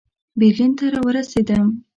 برلین ته را ورسېدم.